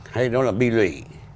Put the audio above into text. hay nó là bi lụy